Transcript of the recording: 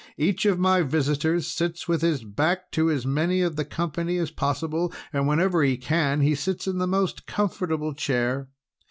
Each of my visitors sits with his back to as many of the company as possible, and whenever he can, he sits in the most comfortable chair.